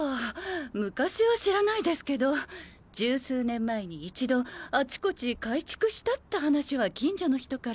昔は知らないですけど十数年前に一度あちこち改築したって話は近所の人から。